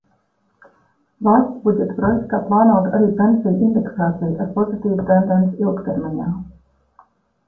Valsts budžeta projektā plānota arī pensiju indeksācija ar pozitīvu tendenci ilgtermiņā.